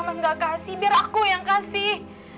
mas gak kasih biar aku yang kasih